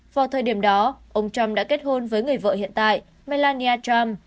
vào thời điểm đó ông trump đã kết hôn với người vợ hiện tại melania trump